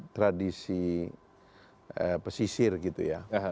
tradisi itu itu yang paling besar ya